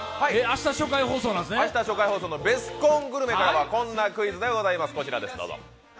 明日初回放送の「ベスコングルメ」からはこんなクイズでございます。